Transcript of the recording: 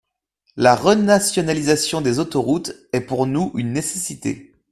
La renationalisation des autoroutes est, pour nous, une nécessité.